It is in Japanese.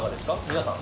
皆さん？